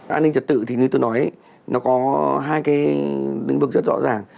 an ninh trật tự thì như tôi nói nó có hai cái lĩnh vực rất rõ ràng